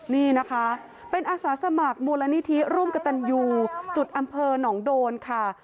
นี่นะคะเป็นอาสาสมัครมูลนิธิร่วมกระตันยูจุดอำเภอหนองโดนค่ะ